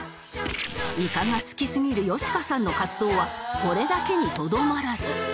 イカが好きすぎるよしかさんの活動はこれだけにとどまらず